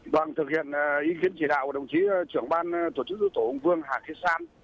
vâng thực hiện ý kiến chỉ đạo của đồng chí trưởng ban tổ chức dưới tổ hùng vương hà khiết san